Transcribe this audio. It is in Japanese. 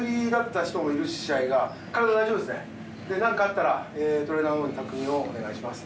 体大丈夫ですね、何かあったらトレーナーの方に確認をお願いします。